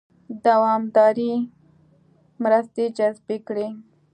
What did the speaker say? دوامدارې مرستې جذبې کړي.